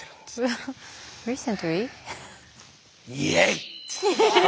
イエイ！